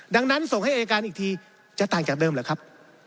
ดังนั้นส่งให้อายการอีกทีจะต่างจากเดิมหรือครับ